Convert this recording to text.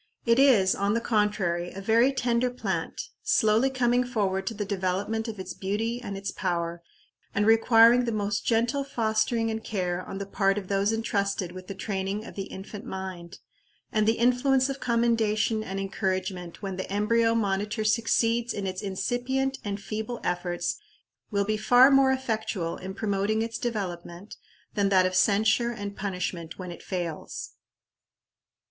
It is, on the contrary, a very tender plant, slowly coming forward to the development of its beauty and its power, and requiring the most gentle fostering and care on the part of those intrusted with the training of the infant mind; and the influence of commendation and encouragement when the embryo monitor succeeds in its incipient and feeble efforts, will be far more effectual in promoting its development, than that of censure and punishment when it fails.